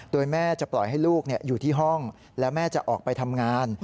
โดยแม่จะปล่อยให้ลูกอยู่ที่ห้องแล้วแม่จะออกไปทำงาน